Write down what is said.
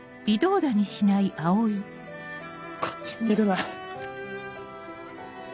こっち見るな。